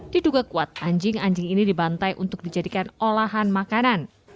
diduga kuat anjing anjing ini dibantai untuk dijadikan olahan makanan